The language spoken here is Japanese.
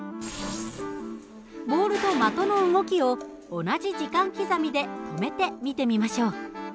ボールと的の動きを同じ時間刻みで止めて見てみましょう。